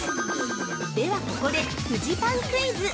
◆では、ここでフジパンクイズ！